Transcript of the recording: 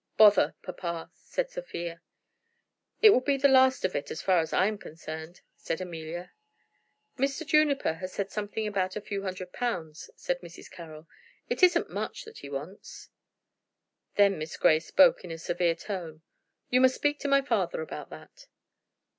"Bother, papa!" said Sophia. "It will be the last of it, as far as I am concerned," said Amelia. "Mr. Juniper has said something about a few hundred pounds," said Mrs. Carroll. "It isn't much that he wants." Then Miss Grey spoke in a severe tone. "You must speak to my father about that."